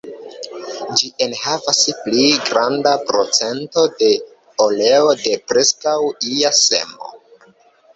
Ĝi enhavas pli granda procento de oleo de preskaŭ ia semo.